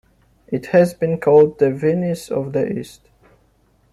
It has been called the "Venice of the East".